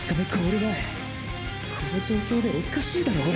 前この状況でおっかしいだろオレ！